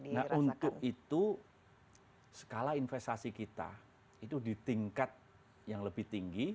nah untuk itu skala investasi kita itu di tingkat yang lebih tinggi